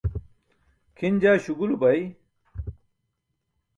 Kʰin jaa śugulu bay.